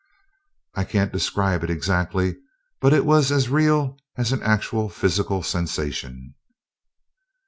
I can't describe it exactly, but it was as real as an actual physical sensation."